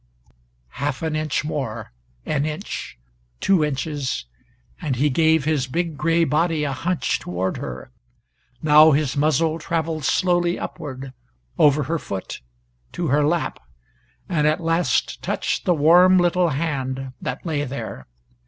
Half an inch more an inch, two inches, and he gave his big gray body a hunch toward her. Now his muzzle traveled slowly upward over her foot, to her lap, and at last touched the warm little hand that lay there.